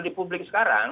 di publik sekarang